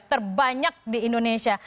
terbanyak di indonesia